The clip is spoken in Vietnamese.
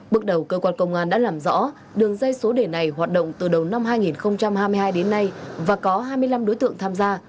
bước đầu cơ quan công an đã làm rõ đường dây số đề này hoạt động từ đầu năm hai nghìn hai mươi hai đến nay và có hai mươi năm đối tượng tham gia